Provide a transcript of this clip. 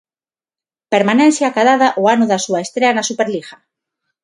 Permanencia acadada o ano da súa estrea na Superliga.